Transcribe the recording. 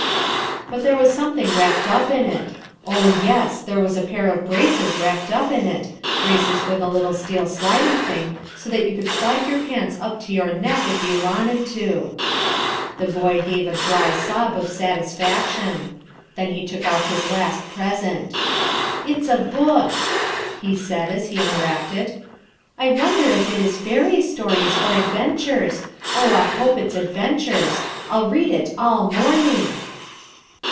But there was something wrapped up in it. Oh, yes! There was a pair of braces wrapped up in it, braces with a little steel sliding thing so that you could slide your pants up to your neck, if you wanted to. The boy gave a dry sob of satisfaction. Then he took out his last present. "It's a book," he said, as he unwrapped it. "I wonder if it is fairy stories or adventures. Oh, I hope it's adventures! I'll read it all morning."